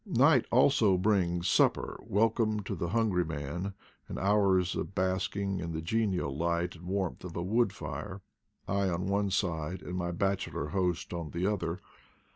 Night also brings supper, welcome to the hun gry man, and hours of basking in the genial light and warmth of a wood fire, I on one side, and my bachelor host on the other.